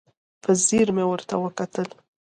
په ځیر مې ورته وکتل.